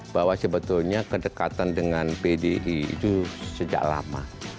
bahwa sebetulnya kedekatan dengan pdi itu sejak lama